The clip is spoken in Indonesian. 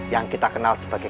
yang kita kenal sebagai